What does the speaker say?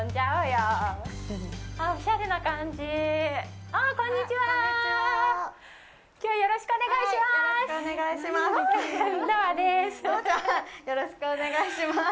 よろしくお願いします。